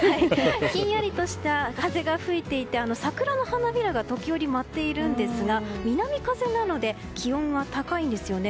ひんやりとした風が吹いていて桜の花びらが時折舞っているんですが南風なので気温は高いんですよね。